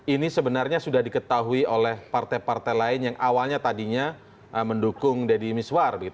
ini sebenarnya sudah diketahui oleh partai partai lain yang awalnya tadinya mendukung deddy miswar